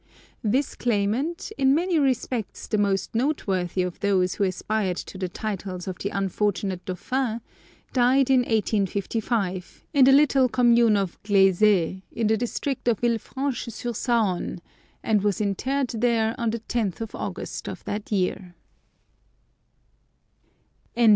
This claimant, in many respects the most noteworthy of those who aspired to the titles of the unfortunate dauphin, died in 1855, in the little commune of Gleyzé, in the district of Villefranche sur Saône, and was interred there on the 10th of August of that year.